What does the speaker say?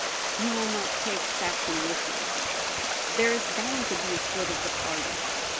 ' You will not take Saxon with you. There is bound to be a spHt of the party.